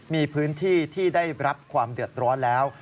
มีพื้นที่ที่ได้รับความเดือดร้อนแล้ว